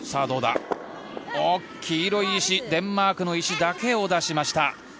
どうだ、黄色い石デンマークの石だけを出しました。